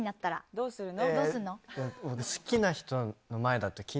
どうするの？